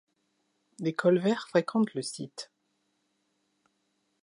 Des colverts fréquentent le site.